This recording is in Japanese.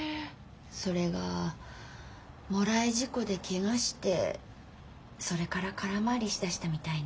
それがもらい事故でケガしてそれから空回りしだしたみたいね。